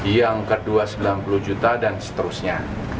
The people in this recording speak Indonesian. yang kedua sembilan puluh juta dan seterusnya